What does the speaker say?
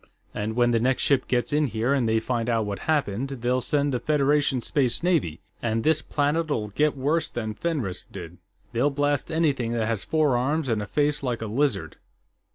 And when the next ship gets in here and they find out what happened, they'll send the Federation Space Navy, and this planet'll get it worse than Fenris did. They'll blast anything that has four arms and a face like a lizard...."